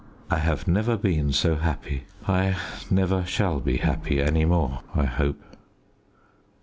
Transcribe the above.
I have never been so happy; I never shall be happy any more, I hope.